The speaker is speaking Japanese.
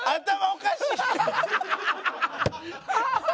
おかしい。